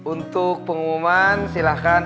untuk pengumuman silahkan